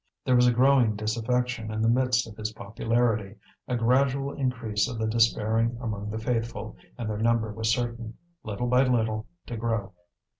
There was a growing disaffection in the midst of his popularity, a gradual increase of the despairing among the faithful, and their number was certain, little by little, to grow.